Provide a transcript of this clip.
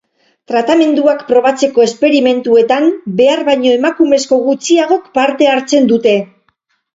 Tratamenduak probatzeko esperimentuetan behar baino emakumezko gutxiagok parte hartzen dute.